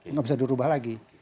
nggak bisa dirubah lagi